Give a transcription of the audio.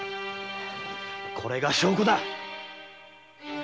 これが証拠だ！